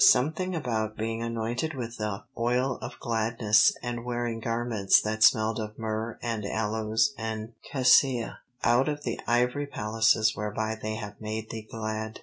Something about being anointed with the "oil of gladness" and wearing garments that smelled of myrrh and aloes and cassia "out of the ivory palaces whereby they have made thee glad."